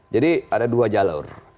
jadi ada dua jalur